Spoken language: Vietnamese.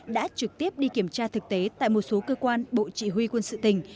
đã trực tiếp đi kiểm tra thực tế tại một số cơ quan bộ chỉ huy quân sự tỉnh